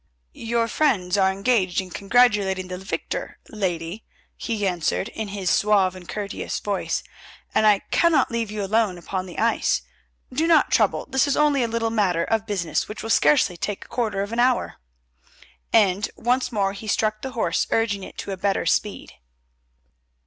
"Your friends are engaged in congratulating the victor, lady," he answered in his suave and courteous voice, "and I cannot leave you alone upon the ice. Do not trouble; this is only a little matter of business which will scarcely take a quarter of an hour," and once more he struck the horse urging it to a better speed.